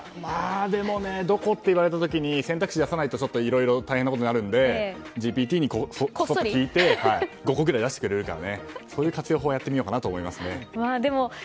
でもねどこ？と言われた時に選択肢を出さないといろいろ大変なことになるのでＧＰＴにこっそり聞いて５個くらい出してくれるからそういう活用法をやってみようかなと思いますね。